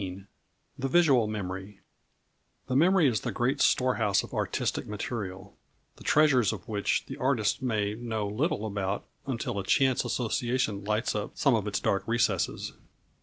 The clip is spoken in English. XVIII THE VISUAL MEMORY The memory is the great storehouse of artistic material, the treasures of which the artist may know little about until a chance association lights up some of its dark recesses.